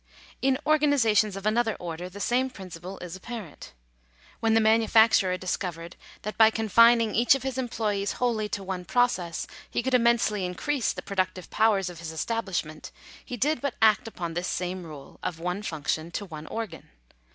In organizations of another order the same principle is apparent. When the manufacturer discovered that by confining each of his employes wholly to one process, hie could immensely increase the productive powers of his esta blishment, he did but act upon this same rule, of one function to one organ.